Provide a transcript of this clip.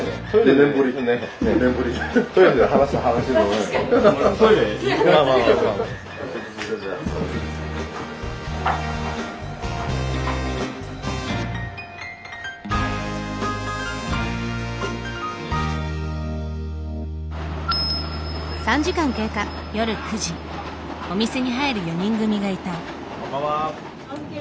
お店に入る４人組がいた。